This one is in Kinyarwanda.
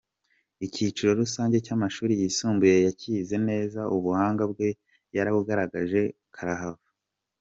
Icyiciro rusange cy’amashuri yisumbuye yacyize neza ubuhanga bwe yarabugaragaje karahava.